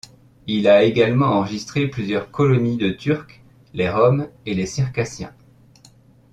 Il a également enregistré plusieurs colonies de Turcs, les Roms et les Circassiens.